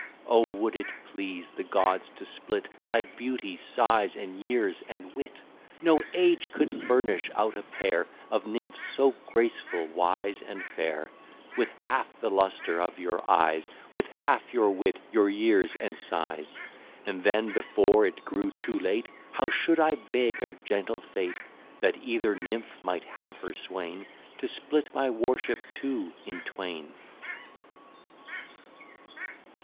O, would it please the gods to split Thy beauty, size, and years, and wit! No age could furnish out a pair Of nymphs so graceful, wise, and fair; With half the lustre of your eyes, With half your wit, your years, and size. And then, before it grew too late, How should I beg of gentle fate, (That either nymph might have her swain,) To split my worship too in twain.